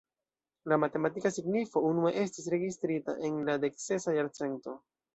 La matematika signifo unue estis registrita en la dek-sesa jarcento.